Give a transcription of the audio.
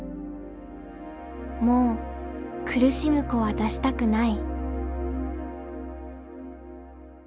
「もう苦しむ子は出したくない」。